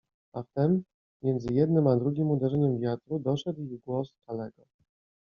A wtem, między jednym a drugiem uderzeniem wiatru, doszedł ich głos Kalego.